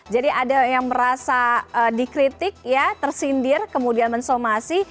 jadi ada yang merasa dikritik tersindir kemudian mensomasi